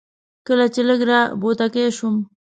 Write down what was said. کله چې لږ را بوتکی شوم.